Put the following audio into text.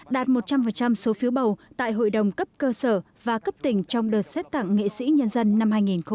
đạt một trăm linh số phiếu bầu tại hội đồng cấp cơ sở và cấp tỉnh trong đợt xét tặng nghệ sĩ nhân dân năm hai nghìn một mươi tám